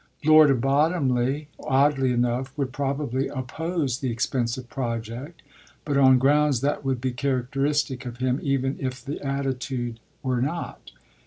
Lord Bottomley, oddly enough, would probably oppose the expensive project, but on grounds that would be characteristic of him even if the attitude were not.